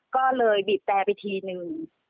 ก็เลยบีบแต่ไปทีนึง